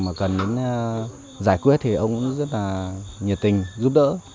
ngoài ra nữa thì có những công việc mà cần giải quyết thì ông cũng rất là nhiệt tình giúp đỡ